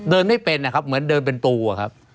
ไม่มีครับไม่มีครับ